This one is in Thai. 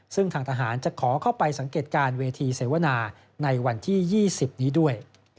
ซึ่งทางทหารจะขอเข้าไปสังเกตการณ์เวทีเสวนาในวันที่๒๐นี้ด้วย